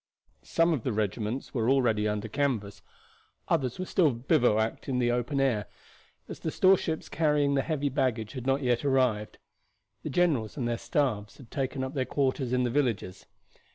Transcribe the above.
Some of the regiments were already under canvas, others were still bivouacked in the open air, as the store ships carrying the heavy baggage had not yet arrived. The generals and their staffs had taken up their quarters in the villages.